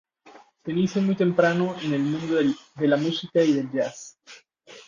Se inicia muy temprano en el mundo de la música y del jazz.